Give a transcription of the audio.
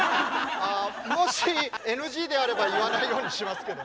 もしＮＧであれば言わないようにしますけど。